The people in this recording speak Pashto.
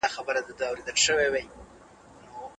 زړونه په مادیاتو نه خپلیږي.